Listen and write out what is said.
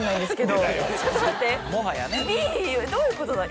どういうことだ？